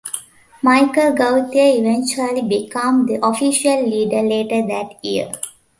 Michel Gauthier eventually became the official leader later that year.